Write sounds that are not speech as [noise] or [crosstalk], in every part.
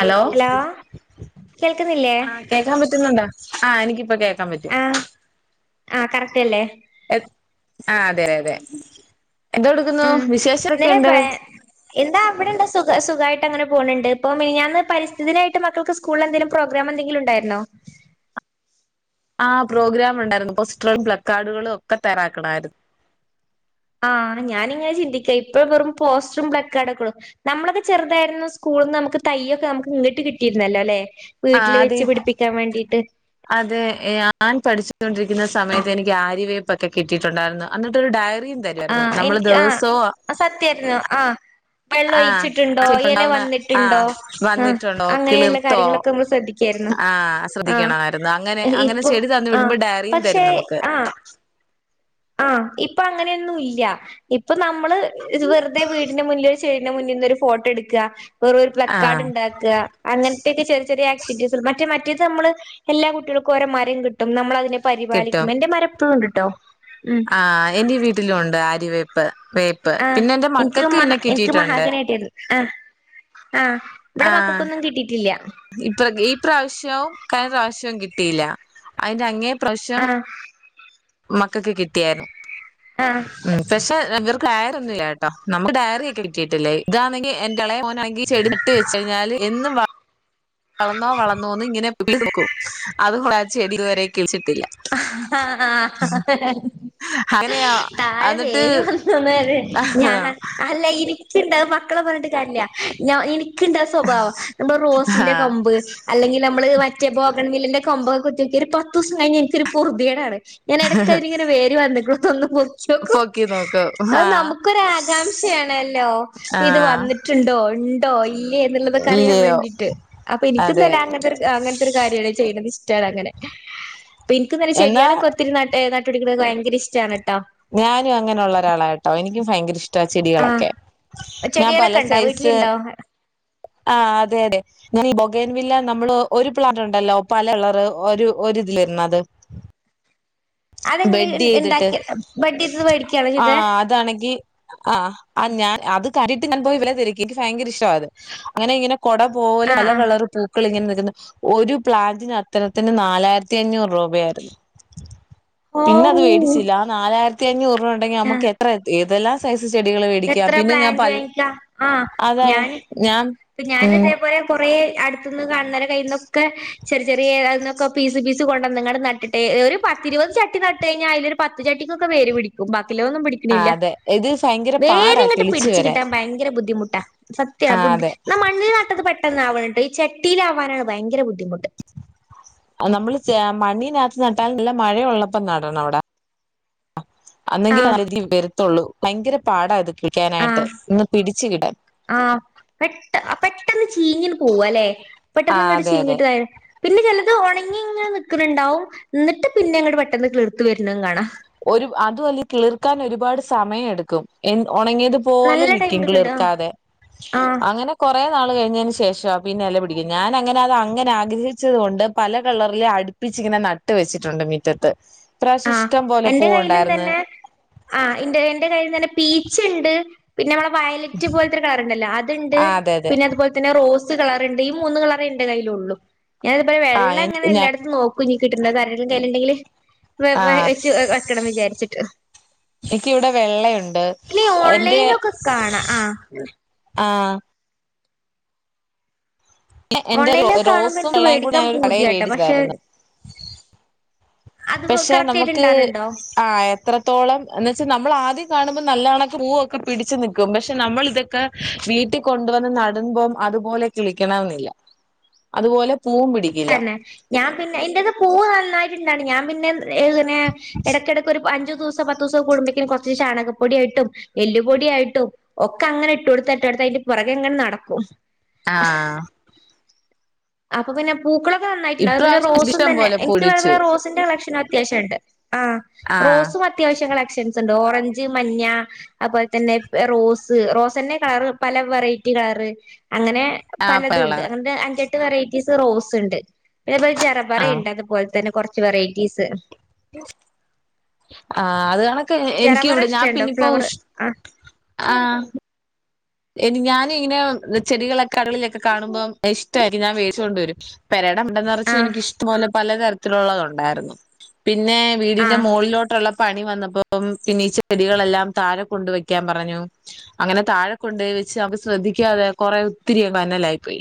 Hello കേൾക്കുന്നില്ലേ ആഹ് കേക്കാം പറ്റുന്നുണ്ടോ ആഹ് എനിക്കിപ്പം കേക്കാം പറ്റും ആഹ് ആഹ് കറക്റ്റല്ലേ എ ആ അതെ അതെ എന്തോ എടുക്കുന്നു ഉം ഇന്നലെ പ വിശേഷരൊക്കെയുണ്ട് എന്താ അവിടെ എന്താ സുഖ സുഖമായിട്ട് അങ്ങനെ പോണുന്നുണ്ട് ഇപ്പം മിനിഞ്ഞാന്ന് പരിസ്ഥിതിദിനമായിട്ട് മക്കൾക്ക് സ്‌ - സ്കൂളിൽ എന്തെങ്കിലും പ്രോഗ്രാം എന്തെിലും ഉണ്ടായിരുന്നോ ആ പ്രോഗ്രാം ഉണ്ടായിരുന്നു പോസ്റ്ററും ഫ്ളക്ക് കാർഡുകളും ഒക്കെ തയ്യറാക്കണമായിരുന്നു ആഹ് ഞാനിങ്ങനെ ചിന്തിക്കുവാ ഇപ്പ വെറും പോസ്റ്ററും ഫ്ളക്ക്കാർഡുകളും- നമ്മളൊക്കെ ചെറുതായിരുന്നു സ്കൂളിൽ നിന്ന് നമുക്ക് തയ്യൊക്കെ നമുക്ക് ഇങ്ങിട്ട് കിട്ടിയിരുന്നല്ലോ അല്ലെ ആ വീട്ടില് അതെ വെച്ച് പിടിപ്പിക്കാൻ വേണ്ടിട്ട് അതെ ഞാൻ പഠിച്ചുണ്ടിരിക്കുന്ന സമയത്ത് എനിക്ക് ആര്യവെയ്പ്പ് കിട്ടിയിട്ടുണ്ടായിരുന്നു എന്നിട്ട് ഒരു ഡയറിയും തരും നമ്മള് ദെവസവും- അത് സത്യായിരുന്നു ആഹ് വെള്ളം ആ ഒഴിച്ചിട്ടുണ്ടോ എല ഉണ്ടാവുന്ന ആ വന്നിട്ടുണ്ടോ ഉം വന്നിട്ടുണ്ടോ അങ്ങനെയുള്ള കിളിർത്തോ കാര്യങ്ങളൊക്കെ നമ്മള് ശ്രദ്ധിക്കും ക്കാരുന്നു ആ ആ ശ്രദ്ധിക്കണമായിരുന്നു അങ്ങനെ അങ്ങനെ ഇപ്പൊ ചെടി തന്നു ആ വിടുമ്പോ ഡയറിയും പക്ഷെ തരും നമുക്ക് ആഹ് ആഹ് ഇപ്പൊ അങ്ങനെയൊന്നും ഇല്ല ഇപ്പൊ നമ്മള് വെറു തെ വീടിന്റെ മുന്നിൽ ചെടീന്റെ മുന്നിൽ നിന്ന് ഒരു ഫോട്ടോ എടുക്കുക വെറും ഒരു പ്ലക് ആ കാർഡ് ഉണ്ടാക്കു ക്കുക അങ്ങനത്തെയൊക്കെ ചെറിയ ചെറിയ ആക്ടിവിറ്റീസ് മറ്റ മറ്റേത് നമ്മള് എല്ലാ കുട്ടികൾക്കും ഓരോ മരവും കി ട്ടും നമ്മളതിനെ കിട്ടും പരിപാലിക്കും എന്റെ മരം ഇപ്പഴും ഉണ്ട് കേട്ടോ ആഹ് എന്റെ വീട്ടിലും ഉണ്ട് അര്യവേപ്പ് വേപ്പ് ആഹ് പിന്നെ എന്റെ എനിക്ക് മക്കൾക്ക് മഹ പിന്നെ എനിക്ക് കിട്ടിയിട്ടുണ്ട് മഹാഗണി കിട്ടിയിരുന്നു ആഹ് ആഹ് ഇവിടെ മക്കക്കൊന്നും കിട്ടിയിട്ടില്ല ഇപ ഈ പ്രാവശ്യവും കഴിഞ്ഞ പ്രാവശ്യവും കിട്ടിയില്ല അതിന്റെ അങ്ങേ പ്രാവശ്യം ആഹ് മക്കൾക്ക് കിട്ടിയായിരുന്നു ആഹ് ഉം പക്ഷെ ഇവർക്ക് ഡയറി ഒന്നും ഇല്ല കേട്ടോ നമുക്ക് ഡയറി ഒക്കെ കിട്ടിയിട്ടില്ലേ ഇതാണെങ്കിൽ എ ന്റെ ഇളയ മോനാണെങ്കിൽ ചെടി നട്ട് വെച്ച് കഴിഞ്ഞാല് എന്നും വ വളന്നോ വളന്നോന്ന് ഇങ്ങനെ പൊക്കി നോക്കും അത് കൊണ്ട് ആ ചെടി ഇത് വരെ കിളിച്ചി ആ അങ്ങനെയാ താഴെ എന്നിട്ട് വേര് വന്നോന്ന് അറിയണ്ടേ ഞാൻ അല്ല എനി ക്കുണ്ടാവും മക്കളെ പറഞ്ഞിട്ട് കാര്യല്ല ഞാ എനി എനിക്കുണ്ട് ആ സ്വഭാവം നമ്മടെ റോസിന്റെ ആഹ് കമ്പ് അല്ലെങ്കിൽ നമ്മള് മ റ്റേ ബോഗൺവില്ലേന്റെ കമ്പുകളൊക്കെ കുത്തിനോക്കിയാ ഒരു പത്ത് ദിവസം കഴിഞ്ഞാ എനിക്കൊരു പൊറുതി കേടാണ് ഞാൻ ഇടക്ക് അതിലിങ്ങനെ വേര് വന്നിക്കണോന്ന് ഇങ്ങനെ പൊക്കി നോക്കും പൊക്കി നോക്കും അത് ആഹ് നമുക്കൊരു ആകാംക്ഷയാണല്ലോ ഇത് ആഹ് വന്നി ട്ടുണ്ടോ ഉണ്ടോ ഇല്ലേ എന്നുള്ളതൊക്കെ അറിയാൻ ഇല്ലയോ വേണ്ടിയിട്ട് അപ്പൊ എനിക്ക അതെ [unintelligible] ത്തൊരു കാര്യവാണ് ചെയ്യണെ അത് ഇഷ്ടവാണ് അങ്ങനെ അപ്പ എനിക്കും തന്നെ എന്നാ ചെടികളൊക്കെ ഒത്തിരി ന എ നട്ട് പിടിപ്പിക്കുന്നതൊക്കെ എനിക്ക് ഭയങ്കര ഇഷ്ടവാണ് കേട്ടോ ഞാനും അങ്ങനൊള്ള ഒരാളാ കേട്ടോ എനിക്കും ഭയങ്കര ഇ ഷ്ടാവാ ചെടികളൊക്കെ ആഹ് ഞാൻ പല ചെടികളൊക്കെ ഉണ്ടോ സൈസ് വീട്ടിലുണ്ടോ ആഹ് അതെ അതെ ഇങ്ങനെ ഈ ബൊഗേൻവില്ല നമ്മള് ഒരു പ്ലാന്റ് ഉണ്ടല്ലോ പല കളറ് ഒരു ഒരു ഇതില് വരുന്നത് അതെങ്ങനെ ബഡ്ഡ് ചെയ്തിട്ട് ഉണ്ടാക്കി ബഡ് ചെയ്തത് മേടിക്കാണോ ചെയ്തേ ആഹ് അതാണെങ്കി ആഹ് ആ ഞാ അത് കാര്യായിട്ട് ഞാൻ പോയി ഇവരെ തിരക്കി എനിക്ക് ഭയങ്കര ഇഷ്ടവാ അത് അങ്ങനെ ഇങ്ങനെ കുട പോലെ ആഹ് പല ആഹ് കളറും ഇട്ടോണ്ട് പൂക്കളിങ്ങനെ നിക്കുന്നു ഒരു പ്ലാന്റിന് അത്തരത്തിന് നാലായിരത്തി അഞ്ഞൂറ് രൂപയായിരുന്നു പിന്നെ അത് ഓഹ് മേടിച്ചില്ല ആ നാലായിരത്തി അഞ്ഞൂറ് രൂപ ഉണ്ടെങ്കി നമുക്ക് ആഹ് എത്ര എന്തെല്ലാം സൈസ് ചെടികള് മേടിക്കാം എത്ര പിന്നെ ഞാൻ പ പ്ലാന്റ് വാങ്ങിക്കാ അതെ ഞാൻ ഇപ്പം ഞാൻ ഉം ഇതേ പോലെ കൊറേ അടുത്തുന്ന് കാണുന്നവരുടെ കയ്യീന്നൊക്കെ ചെറിയ ചെറിയ അതീന്നൊക്കെ പീസ് പീസ് കൊണ്ടുന്നിങ്ങട്ട് നട്ടിട്ട് ഒരു പത്തിരുപത് ചട്ടി നട്ട് കഴിഞ്ഞാൽ അതിലൊരു പത്ത് ചട്ടിക്കൊക്കെ വേര് പിടിക്കും ബാക്കി ഉള്ളതൊന്നും ആ പിടിക്കുന്നില്ല പിടിക്കണില്ല അതെ ഇത് [unintelligible] വേര് ഇങ്ങോട്ട് കിളിച്ചു പിടിച്ചു വരാൻ കിട്ടാൻ ഭയങ്കര ബുദ്ധിമുട്ടാ സത്യവാ ആ ബുദ്ധി അതെ എന്നാ മണ്ണില് നട്ടത് പെട്ടെന്ന് ആവണട്ടോ ഈ ചട്ടിയില് ആവാനാണ് ഭയങ്കര ബുദ്ധിമുട്ട് ആഹ് നമ്മള് മണ്ണിനകത്ത് നട്ടാൽ നല്ല മഴ ഉള്ളപ്പം നടണം അവിടെ അന്നെങ്കിലും ആഹ് അതി വരുത്തുള്ളൂ ഭയങ്കര പാടാ ഇത് ആഹ് കിളിക്കാനായിട്ട് ഒന്ന് പിടിച്ച് ആഹ് പെട്ട പെട്ടെന്ന് ചീഞ്ഞ് പോവാല്ലെ ആ പെട്ടന്നിങ്ങട്ട് അതെ അതെ ചീഞ്ഞിട്ട് ഇതായി പിന്നെ ചിലത് ഉണങ്ങി ഇങ്ങനെ നിൽക്കുന്നുണ്ടാവും എന്നിട്ട് പിന്നെ അങ്ങട്ട് പെട്ടെന്ന് കിളിർത്ത് വരുന്നതും കാണാം ഒരു അതും അല്ല കിളിർക്കാൻ ഒരുപാട് സമയം എടുക്കും എ ഉണങ്ങിയതും പോലെ നല്ല ടൈം നിക്കും എടുക്കണ്ട് ആഹ് കിളിർക്കാതെ ആഹ് അങ്ങനെ കുറെ നാൾ കഴിഞ്ഞതിന് ശേഷം പിന്നെ ഇല പിടിക്കുന്ന ഞാനങ്ങനെ അത് അങ്ങനെ ആഗ്രഹിച്ചത് കൊണ്ട് പല കളറിലെ അ പ്പിച്ചിങ്ങനെ നട്ട് വെച്ചിട്ടുണ്ട് മുറ്റത്ത് ഈ പ്രാവശ്യ ആഹ് ഇഷ്ടം പോലെ എന്റെ പൂവ് കയ്യിലും ഉണ്ടായിന്ന് തന്നെ ആഹ് എന്റെ എന്റെ കയ്യിന്ന് തന്നെ പീച്ച് ഉണ്ട് പിന്നെ നമ്മളെ വയലറ്റ് പോലത്തെരു കളർ ഉണ്ടല്ലോ അതുണ്ട് ആ അതെ അതെ പിന്നെ അതുപോലെ പിന്നെ റോസ് കളർ ഉണ്ട് ഈ മൂന്ന് കളർ എന്റെ കയ്യിലുള്ളൂ ഞാന അതുപോലെ ആ വെള്ളം എ അങ്ങനെ എല്ലായിടത്തും നോ കുഞ്ഞി കിട്ടണ്ടോ അത് ആരുടെ കയ്യിലുണ്ടെങ്കില് ആ വെച്ച് വെക്കണം വിചാരിച്ചിട്ട് എനിക്കിവിടെ വെള്ളയുണ്ട് പിന്നെ ഈ എന്റെ ഓൺലൈനൊക്കെ കാണാ ആഹ് ആഹ് എന്റെ ഓൺലൈനിലൊക്കെ കാണുമ്പോ റോസും എനിക്ക് വെള്ളയും കൂടി മേടിക്കാൻ ഞാൻ ഒരു കടയിൽ പൂതിയാട്ടോ പക്ഷെ മേടിച്ചയിരുന്നു അത് പക്ഷെ കറക്റ്റ് ആയിട്ട് നമുക്ക് ഇണ്ടാവലുണ്ടോ ആഹ് എത്രത്തോളം എന്ന് വെച്ചാൽ നമ്മൾ ആദ്യം കാണുമ്പോൾ നല്ലണക്കെ പൂവൊക്കെ പിടിച്ചു നിൽക്കും പക്ഷെ നമ്മൾ ഇതൊക്കെ വീട്ടിൽ കൊണ്ടുവന്ന് നടുമ്പം അതുപോലെ കിളിക്കണംമെന്നില്ല അതുപോലെ പൂവും പിടിക്കില്ല തന്നെ ഞാൻ പിന്നെ എന്റെ പൂവ് നന്നായിട്ടുണ്ടാണ് ഞാൻ പിന്നെ ഏങ്ങനെ ഇടക്കിടക്ക് ഒരു അഞ്ചു ദിവസ സ പത്ത് ദിവസം കുടുബോ കുറച്ച് ചാണകപ്പൊടി ആയിട്ടും എല്ലുപൊടിയയിട്ടും ഒക്കെ അങ്ങനെ ഇട്ട് കൊടുത്ത അതിന്റെ പുറകെ അങ്ങനെ നടക്കും ആഹ് അപ്പൊ പിന്നെ പൂക്കളൊക്കെ നന്നായിട്ടുണ്ട് അതുപോല ഇപ്രാവശ്യം റോസും ഇഷ്ടം തന്നെ പോലെ പൂ എനിക്ക് പിടിച്ചു റോസിന്റെ കളക്ഷൻ അത്യാവശ്യംണ്ട് ആഹ് ആഹ് റോസും അത്യാവശ്യം കളഷൻസ്ണ്ട് ഓറഞ്ച് മഞ്ഞ അതുപോലെ തന്നെ റോസ് റോസ് തന്നെ കളർ പല വെറൈറ്റി കളറ് അങ്ങനെ പലതുണ്ട് ആഹ് അങ്ങനത്തെ അഞ്ചെട്ട് വെറൈറ്റീസ് റോസ് ഉണ്ട് പിന്നെ ആഹ് ജറപറണ്ട് അതുപോലെ തന്നെ കുറച്ച് വെറൈറ്റീസ് [inaudible] ആഹ് അത് കണക്കെ എനിക്ക് ജറബറ ഇവിടെ ഞാൻ ഇഷ്ടണ്ടോ പിന്നിപ്പോ ഫ്ലവർ ആഹ് ആഹ് ഞാന ഇങ്ങനെ ചെടികളൊക്കെ കടകളിലൊക്കെ കാണുമ്പോം ഇഷ്ടമായിരിക്കും ഞാൻ മേടിച്ചോണ്ട് വരും പെരടമണ്ട നിറച്ച് ആഹ് എനിക്ക് ഇഷ്ടം പോലെ പലതരത്തിലുള്ളത്ണ്ടായിരുന്നു പിന്നെ വീടിന്റെ ആഹ് മുകളുകളിലോട്ടുള്ള പണി വന്നപ്പോ അപ്പം പിന്നീട് ചെടികളെല്ലാം താഴെ കൊണ്ട് വെക്കാൻ പറഞ്ഞു അങ്ങനെ താഴെ കൊണ്ട് വെച്ച് അത് ശ്രദ്ധിക്കാതെ കൊറെ ഒത്തിരി പന്നലായി പോയി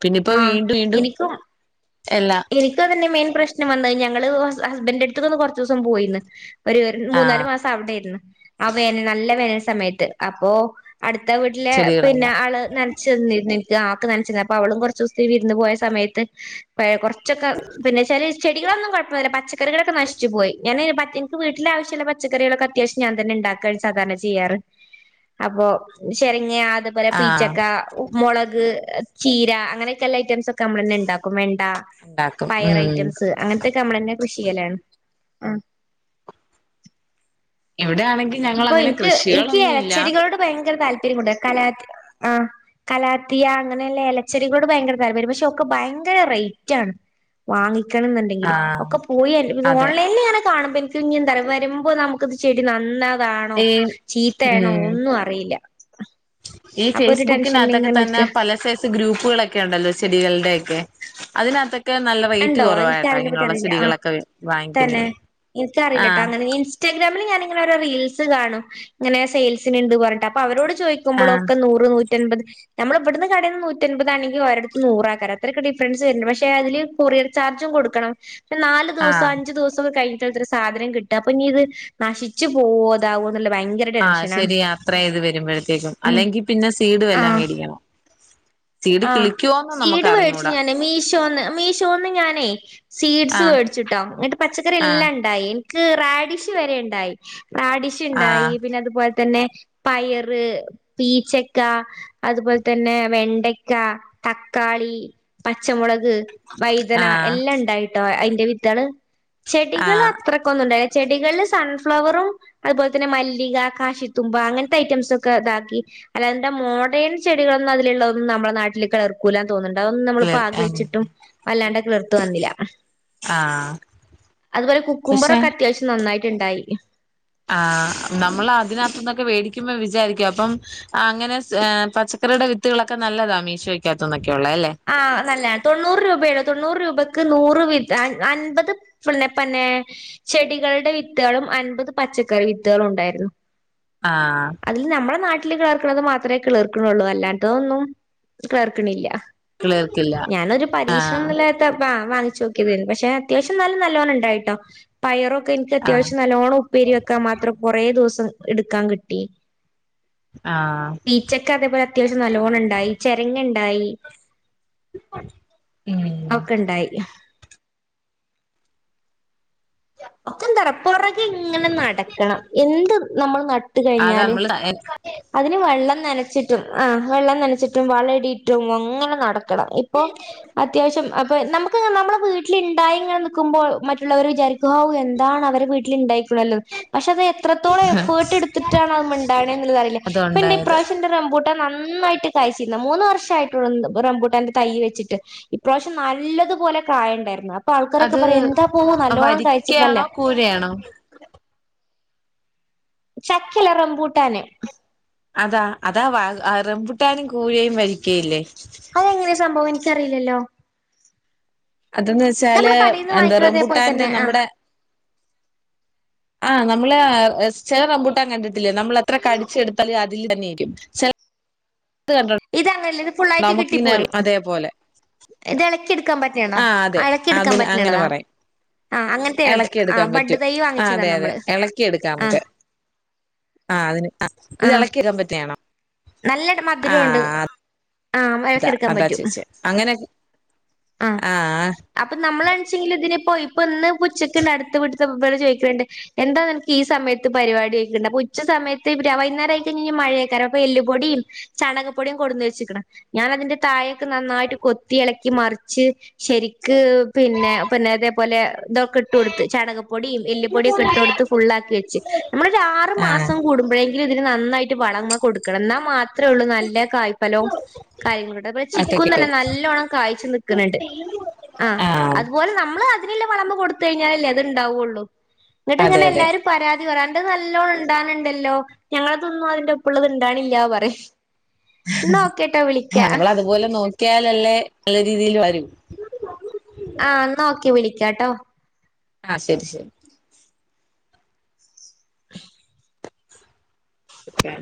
പിന്നെപ്പോ ആഹ് വീണ്ടും വീണ്ടും എല്ലാ എനക്ക് തന്നെ മെയിൻ പ്രശ്നം വന്നാ ഞങ്ങള് ഹസ്ബൻഡന്റെ അടുത്ത് നിന്ന് കുറച്ച് ദിവസം പോയിനിന്ന് ഒരു മൂന്നാല് ആഹ് മാസം അവിടെയായിരുന്നു ആ വേന നല്ല വേനൽ സമയത്ത് അപ്പൊ അടുത്ത വീട്ടിലെ പിന്നെ ചെടികളെല്ലാം ആള് ന നനച്ച് നിന്നിട്ട് ആക്ക് നനച്ചിരുന്നു അപ്പൊ അവളും കുറച്ച് ദിവസം വിരുന്ന് പോയ സമയത്ത് പഴയ കു ച്ചക്കെ പിന്നെ ചെടികളൊന്നും കുഴപ്പമില്ല പച്ച പക്കറികളൊക്കെ നശിച്ചു പോയി ഞൻ എനിക്ക് വീട്ടിലെ ആവശ്യള്ള പച്ചക്കറികളൊക്കേ അത്യാവശ്യ ഞാൻ തന്നേ ഉണ്ടാക്കാറ് സാധാരണ ചെയ്യാറ് അപ്പൊ ശരണിയ അത് അതുപോലെ ആഹ് പീച്ചക്ക മുളക് ചീര അങ്ങനെയക്കെല്ല ഐറ്റം ഒക്കെ നമ്മൾ തന്നെ ഉണ്ടാക്കും വെ ണ്ട ഉണ്ടാക്കും പയർ ഉം ഐറ്റംസ് അങ്ങനത്തൊക്കെ നമ്മള തന്നെ കൃഷി ചെയലാണ് ഇവിടെയാണെങ്കിൽ ഇപ്പൊ എനിക്ക് എനിക്ക് ഇലച്ചെടികളോട് ഭയങ്കര താല്പര്യംണ്ട് കല ആഹ് കലാത്തിയ അങ്ങനെയുള്ള ഇലച്ചെടികളോട് ഭയങ്കര താല്പര്യം പക്ഷെ ഒക്കെ ഭയങ്കര റേറ്റ് ആണ് വാങ്ങിക്കണം എന്നുണ്ടെങ്കിൽ ആഹ് ഒക്കെ പോയി ഇത് അതെ ഓൺലൈനിൽ ഇങ്ങനെ കാണും പിന്നെ കുഞ്ഞും തറ വരുമ്പോ നമുക്കത് ചെടി നന്നതാണോ ഈ ചീത്തയാണോ ഉം ഒന്നും അറിയില്ല ഈ അപ്പൊ ഒരു ടെൻഷനിൽ ഫേസ്ബുക്കിനകത്തൊക്കെ ഇങ്ങനെ തന്നെ നിക്ക പല ഗ്രൂപ്പുകളൊക്കെ ഉണ്ടല്ലോ ചെടികളുടെ ഒക്കെ അതിനകത്തെ ഒക്കെ നല്ല റേറ്റ് ഉണ്ടോ എനിക്ക് കുറവായിട്ടോ അതിനെ പറ്റി ഇങ്ങനെയുള്ള അറിയില്ല ആ ചെടികളൊക്കെ തന്നെ വാങ്ങിക്കുന്നതിന് എനിക്കറിയില്ലട്ടോ ആഹ് അങ്ങനെ ഇൻസ്റ്റാഗ്രാമിൽ ഞാനിങ്ങനെ ഓരോ റീൽസ് കാണും ഇങ്ങനെ സെയിൽ സിനുണ്ട് പറഞ്ഞട്ട് അപ്പോ അവരോട് ചോദിക്ക ആഹ് ക്കുമ്പോളൊക്കെ നൂറ് നൂറ്റി നൂറ്റൻപത് നമ്മള് ഇവിടുന്ന് കടേന്ന് നൂറ്റൻപതാണെങ്കിൽ ഒരടുത്ത് നൂറ അത്രൊക്കെ ഡിഫറൻസ് വരുന്നുണ്ട് പക്ഷെ അതില് കൊറിയർ ചാർജും കൊടുക്കണം നാല് ദിവസം ആഹ് അഞ്ചു ദിവസക്കെ കഴിയും [unintelligible] സാധനം കിട്ടാ അപ്പൊ ഇനി ഇത് നശിച്ചു പോവോ ഇതാവുമോ എന്നുള്ള ഭയങ്കര ആഹ് ടെൻഷനാണ് ശരിയാ അത്രയും ഇത് വരുമ്പോഴത്തേക്കും ഉം അല്ലെങ്കി പിന്നെ സീട് വല്ലോം ആഹ് മേടിക്കണം സീഡ് ആഹ് കിളിക്കുവോന്ന് സീട് നമുക്ക് മേടിച്ചു അറിഞ്ഞൂടാ ഞാന് മീശോന്ന് മീശോന്ന് ഞാനേ സീഡ്സ് ആഹ് വേടിച്ചിട്ടോ എന്നിട്ട് പച്ചക്കറി ആഹ് എല്ലാം ഉണ്ടായി റാഡിഷ് വരെ ഉണ്ടായി റാഡിഷ് ആഹ് ഉണ്ടായി പിന്നെ അതുപോലെ തന്നെ പയറ് പീച്ചക്ക അതുപോലെ തന്നെ വെണ്ട തക്കാളി പച്ചമുളക് വൈതന ആഹ് എല്ലാം ഉണ്ടായിട്ട് കേട്ടോ അതിന്റെ വിത്ത്കള് ചെടികൾ ആഹ് അത്രക്കൊന്നും ഉണ്ട ചെടികള് സൺഫ്ലവറും അതുപോലെ തന്നെ മല്ലിക കാശിത്തുമ്പ അങ്ങനത്തെ ഐറ്റംസ് ഒക്കെ ഇതാക്കി അല്ലാതിന്റെ മോഡേൺ ചെടികളൊന്നും അതിലുള്ളതൊന്നും നമ്മള നാട്ടിൽ കിളിർക്കും ക്കുലാൻ തോന്നുന്നുണ്ട് അതൊന്നും നമ്മള് പാകിവെച്ചിട്ടും അല്ലാണ്ട് കിളിർത്ത് വന്നില്ല ആഹ് അതുപോലെ പക്ഷെ കുക്കുമ്പറൊക്കെ അത്യാവശ്യം നന്നായിട്ടുണ്ടായി ആഹ് നമ്മൾ അതിനകത്ത് നിന്നൊക്കെ മേടിക്കുമ്പോ വിചാരിക്കും അപ്പം ആഹ് അങ്ങനെ പച്ചക്കറിയുടെ വിത്തുകളൊക്കെ നല്ലതാ മീശോക്കാത്തന്നൊക്കെ ഉള്ളേ അല്ലെ ആഹ് നല്ല തൊണ്ണൂറ് രൂപയുടെ തൊണ്ണൂറ് രൂപക്ക് നൂറ് വി അൻപത് [unintelligible] ചെടികളുടെ വിത്തുകളും അൻപത് പച്ചക്കറി വിത്തുകളും ഉണ്ടായിരുന്നു ആഹ് അതില് നമ്മളെ നാട്ടില് കിളിർക്കണത് മാത്രമേ കിളിർക്കണള്ളൂ അല്ലാത്തതൊന്നും കിളിർക്കണില്ല കിളിർക്കില്ല ഞാനൊരു പരീക്ഷണ ആഹ് നിലയത്തെ വാങ്ങിച്ചു നോക്കിയതാരുന്നു പക്ഷെ അത്യാവശ്യം നല്ല നല്ലോണ്ണം ഉണ്ടായിട്ടോ പയറൊക്കെ എനിക്ക് ആഹ് അത്യാവശ്യം നല്ലോണം ഉപ്പേരി വെക്കാൻ മാത്രം കുറേ ദിവസം എടുക്കാൻ കിട്ടി ആഹ് പീച്ചക്ക അതേപോലെ അത്യാവശ്യം നല്ലോണ്ണം ഉണ്ടായി ചെരങ്ങ് ഉണ്ടായി അ ഒക്കെ ഉണ്ടായി ഒക്കെ [unintelligible] ഇങ്ങനെ നടക്കണം എന്ത് നമ്മൾ നട്ട് നട്ട് അതാ കഴിഞ്ഞാലും നമ്മള് അതിന് വെള്ളം നനച്ചിട്ടും ആഹ് വെള്ളം നനച്ചിട്ടും വളം ഇടിയിട്ടും അങ്ങനെ നടക്കും ഇപ്പൊ അത്യാവശ്യം അപ്പൊ നമ്മ നമ്മുടെ വീട്ടിലിണ്ടായി ഇങ്ങനെ നിക്കുമ്പോൾ മറ്റുള്ളവർ വിചാരിക്ക എന്താണ് അവരെ വീട്ടിൽ ഉണ്ടായിക്കുള്ളത് പക്ഷെ അത് എത്രത്തോളം എഫേർട്ട് എടുത്തിട്ടാണ് അത് [unintelligible] എന്നുള്ളത് അറിയില്ല [unintelligible] അതുണ്ടായത് ഇപ്രാവശ്യം റംബൂട്ടാൻ നന്നായിട്ട് കായ്ക്ക്ന്ന് മൂന്ന് വർഷ ആയിട്ടുള്ളു റംബൂട്ടാന്റെ തൈ വെച്ചിട്ട് ഇപ്രാവശ്യം നല്ലതുപോലെ കായുണ്ടായിരുന്നു അപ്പൊ ആൾക്കാരൊക്കെ പറയാ എന്താ പോവു നല്ലോണ്ണം [unintelligible] ആണോ കൂഴയാണോ ചക്കല്ല റംമ്പൂട്ടാന് അതാ അതാ വ റംമ്പുട്ടാനും കൂഴയും വരിക്കയും ഇല്ലേ അഹ് എങ്ങനെ സംഭവം ഇൻക്കറീല്ലല്ലോ അതന്ന് വെച്ചാല് നമ്മള് കടേന്ന് എന്താ വാങ്ങിക്ക്ണതേപോൽ റംബുട്ടാന്റെ തന്നെ അഹ് നമ്മുടെ ആഹ് നമ്മള് ആഹ് ചെല റമ്പൂട്ടാൻ കണ്ടിട്ടില്ലേ നമ്മളെത്ര കടിച്ചെടുത്താലും അതില് തന്നെയിരിക്കും. ചെല ത്‌ കണ്ടോ ഇതങ്ങനെല്ല ഇത് ഫുള്ളായിട്ട് കിട്ടിപ്പോരും. അതേപോലെ ഇതെളക്കി എടുക്കാൻ പറ്റ് - റ്റ്യേത. ആ അതെ എളക്കി എടുക്കാൻ അതിന് പറ്റ്ണേണ് അങ്ങനെ താ പറയും ആ അങ്ങൻത്തേണ്ത്. ആഹ് ഇളക്കിയെടുക്കാൻ ബഡ്ഡ് പറ്റും തൈയ്യ് ആ വാങ്ങിച്ചതാ അതെ അതെ നമ്മള് ഇളക്കിയെടുക്കാം ആഹ് നമുക്ക് ആ അതിന് അ ഇതെളക്കി എട്ക്കാൻ പറ്റിയാണോ നല്ല ട് മധുരവുണ്ട് അതാ അതാ ചോയ്ച്ചേ അങ്ങനെ ആ ആഹ് അപ്പൊ നമ്മളാണിച്ചെങ്കില് തിനെപ്പൊ ഇപ്പൊന്ന് ഉച്ചക്ക്ന്നടുത്തവീട്ടിത്തെ വൾ ചോയ്ക്ക്ണ് ണ്ട് എന്താ നിനക്ക് ഈ സമയത്ത് പരിപാടി ചോയ്ക്ണ്ട്, അപ്പൊ ഉച്ച സമയത്ത് വൈന്നാരായി കഴിഞ്ഞയ്ഞ്ഞാ മഴയേക്കാരം പ്പ എല്ലുപൊടിം ചാണകപൊടിം കൊടുന്ന് വെച്ച്ക്ക്ണ് ഞാനതിന്റെ താഴൊക്കെ നന്നായിട്ട് കൊത്തി എളക്കി മറിച്ച് ശരിക്ക് പിന്നെ പിന്നെ തേപോലെ തൊക്കെട്ട് കൊടുത്ത്. ചാണകപ്പൊടിം എല്ല്പ്പൊടിം ഒക്കെ ട്ടൊട്ത്ത് ഫുള്ളാക്കി വെച്ച് നമ്മളൊരാറ് ആ മാസം കൂടുമ്പൊഴേ ത്തിന് തിന് നന്നായിട്ട് വളമ കൊടുക്കണം. ന്നാ മാത്രേ ഒള്ളൂ നല്ല കായ് ഫലോം കായ്കള്ണ്ട് അപ്പ ഒക്കെ ചിക്കും കിട്ടും തന്നെ നല്ലോണ്ണം കായ്ച്ച് നിക്ക്ണ് ണ്ട് ആഹ് ആ അതുപോലെ നമ്മള് അതിന്ല്ല വളമ കൊടുത്ത്‌ കഴിഞ്ഞാലല്ലെ അത്ണ്ടാവൊള്ളൂ. അതെ ന്നട്ട്ങ്ങനെ അതെ എല്ലാരും പരാതി പറയും, അൻ്റത് നല്ലോണണ്ടാവ്ണ് ണ്ടല്ലോ ഞങ്ങൾതൊന്നും അതിന്റൊപ്പുള്ളത് ണ്ടാവ്ണില്ല്യാ പറയും എന്നാ ഓക്കേട്ടോ വിളിക്കാ നമ്മളതുപോലെ നോക്കിയാലല്ലേ നല്ല രീതീല് വരു ആഹ് ന്നാ ഓക്കെ വിളിക്ക്യാട്ടോ ആഹ് ശരി ശരി ശരി